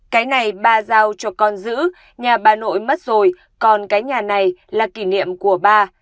cái này ba giao cho con giữ nhà ba nội mất rồi còn cái nhà này là kỷ niệm của ba